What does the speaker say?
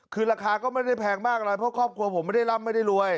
คือราคาก็ไม่ได้แพงมากอะไรเพราะครอบครัวผมไม่ได้ร่ำไม่ได้รวย